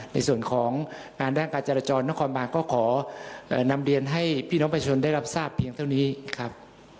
ในส่วนของงานด้านการจรจรนครบานก็ขอนำเรียนให้พี่น้องประชาชนได้รับทราบเพียงเท่านี้ครับ